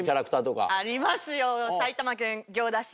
ありますよ埼玉県行田市。